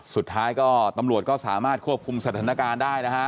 สุดท้ายก็ตำรวจก็สามารถควบคุมสถานการณ์ได้นะฮะ